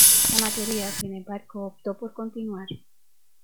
La mayoría, sin embargo, optó por continuar.